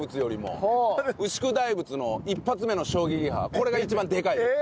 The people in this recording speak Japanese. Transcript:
これが一番でかい。